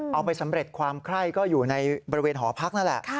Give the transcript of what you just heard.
เอาไปสำเร็จความไคร้ก็อยู่ในบริเวณหอพักนั่นแหละ